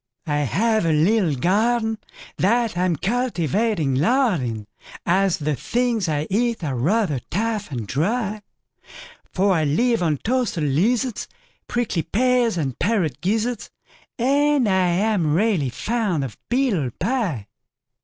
I have a little gardenThat I'm cultivating lard in, As the things I eat are rather tough and dry; For I live on toasted lizards, Prickly pears, and parrot gizzards, And I'm really very fond of beetle pie.